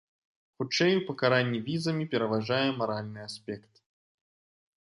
Хутчэй, у пакаранні візамі пераважае маральны аспект.